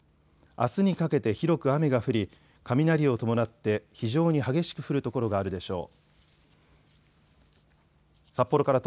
あすにかけて広く雨が降り雷を伴って非常に激しく降る所があるでしょう。